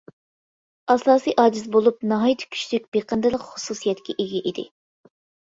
ئاساسى ئاجىز بولۇپ، ناھايىتى كۈچلۈك بېقىندىلىق خۇسۇسىيەتكە ئىگە ئىدى.